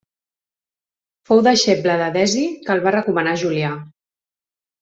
Fou deixeble d'Edesi que el va recomanar a Julià.